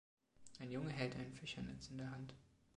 Ein Junge hält ein Fischernetz in der Hand.